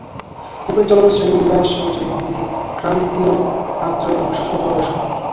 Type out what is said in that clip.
Copen জলবায়ু শ্রেণিবিন্যাস অনুযায়ী দিলি ক্রান্তীয় আর্দ্র এবং শুষ্ক জলবায়ুর শহর।